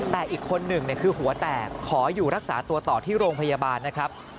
แต่อีกคนหนึ่งคือหัวแตกขออยู่รักษาตัวต่อที่โรงพยาบาลนะครับ